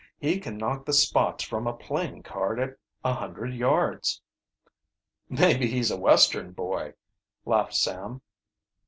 He can knock the spots from a playing card at a hundred yards." "Maybe he's a Western boy," laughed Sam.